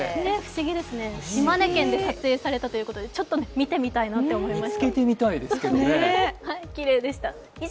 島根県で撮影されたということで、ちょっと見てみたいなと思いました。